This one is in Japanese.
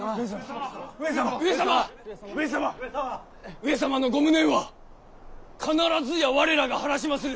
上様のご無念は必ずや我らが晴らしまする！